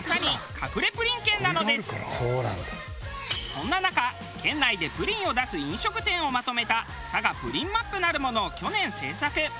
そんな中県内でプリンを出す飲食店をまとめた『さがプリンマップ』なるものを去年製作。